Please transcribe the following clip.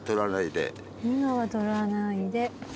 今は採らないで。